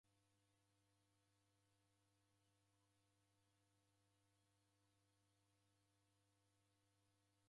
W'asi mbaa Afrika ni w'andu kusow'a suku angu kutumia w'ongo.